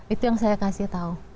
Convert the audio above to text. itu yang saya kasih tahu